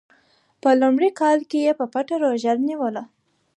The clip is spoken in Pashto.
په لومړي کال کې یې په پټه روژه نیوله.